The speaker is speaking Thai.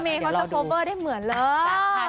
เดี๋ยวเราดูคุณเมย์เขาจะครบเวอร์ได้เหมือนเลย